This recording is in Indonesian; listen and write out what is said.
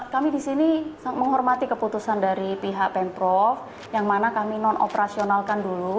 kami di sini menghormati keputusan dari pihak pemprov yang mana kami non operasionalkan dulu